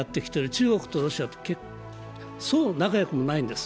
中国とロシアとそう仲良くないんです。